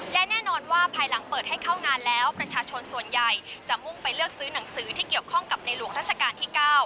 และแน่นอนว่าภายหลังเปิดให้เข้างานแล้วประชาชนส่วนใหญ่จะมุ่งไปเลือกซื้อหนังสือที่เกี่ยวข้องกับในหลวงราชการที่๙